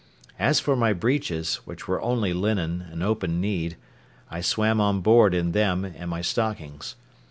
As for my breeches, which were only linen, and open kneed, I swam on board in them and my stockings.